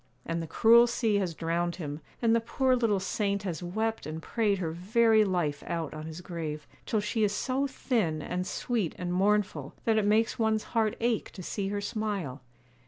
And the cruel sea has drowned him, and the poor little saint has wept and prayed her very life out on his grave; till she is so thin, and sweet, and mournful, that it makes one's heart ache to see her smile.